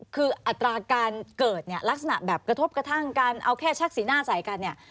คืออัตราการเกิดเนี่ยลักษณะแบบกระทบกระทั่งกันเอาแค่ชักสีหน้าใส่กันเนี่ย